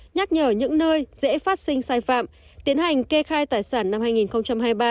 nhắc nhở những nơi dễ phát sinh sai phạm tiến hành kê khai tài sản năm hai nghìn hai mươi ba